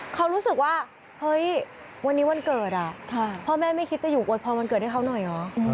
เขารู้สึกว่าเฮ้ยวันนี้วันเกิดพ่อแม่ไม่คิดจะอยู่อวยพรวันเกิดให้เขาหน่อยเหรอ